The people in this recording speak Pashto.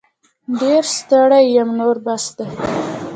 ډير ستړې یم نور بس دی